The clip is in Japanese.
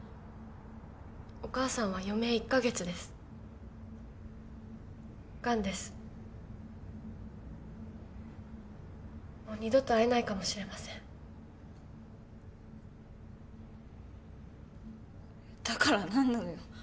お母さんは余命１ヵ月ですがんですもう二度と会えないかもしれませんだから何なのよ？